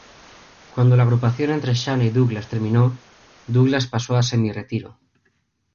Cuando la agrupación entre Shane y Douglas terminó, Douglas pasó a semi-retiro.